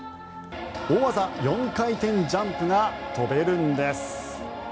大技４回転ジャンプが跳べるんです。